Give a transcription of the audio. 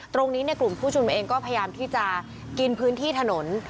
ตรงนี้กลุ่มผู้ชุมนุมเองก็พยายามที่จะกินพื้นที่ถนน